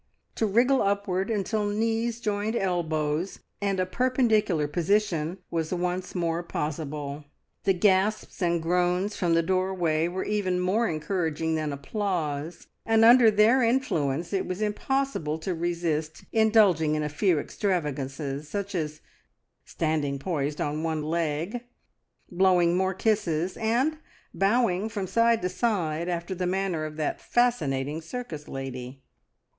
to wriggle upward until knees joined elbows, and a perpendicular position was once more possible! The gasps and groans from the doorway were even more encouraging than applause, and under their influence it was impossible to resist indulging in a few extravagances, such as standing poised on one leg, blowing more kisses, and bowing from side to side after the manner of that fascinating circus lady.